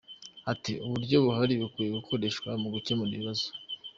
Ati “Uburyo buhari bukwiye gukoreshwa mu gukemura ibibazo.